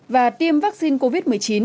và tiêm vaccine covid một mươi chín